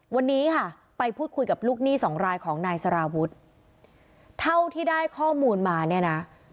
วันนี้ค่ะไปพูดคุยกับลูกหนี้สองรายของนายสารวุฒิเท่าที่ได้ข้อมูลมาเนี่ยนะ